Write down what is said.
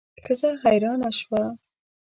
ښځه حیرانه شوه.